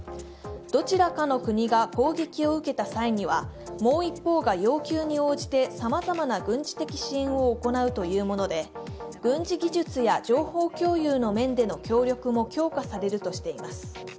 どちらかの国が攻撃を受けた際にはもう一方が要求に応じてさまざまな軍事的支援を行うというもので軍事技術や情報共有の面での協力も強化されるとしています。